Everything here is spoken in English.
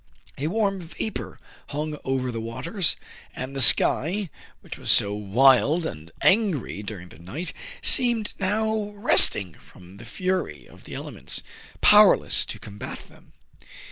A warm vapor hung over the waters ; and the sky, which was so wild and angry during the night, seemed now resting from the fury of the elements, powerless to combat them.